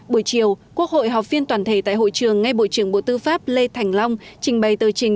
buổi chiều quốc hội họp phiên toàn thể tại hội trường ngay bộ trưởng bộ tư pháp lê thành long trình bày tờ trình